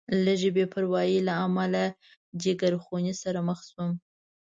لږې بې پروایۍ له امله جیګرخونۍ سره مخ شوم.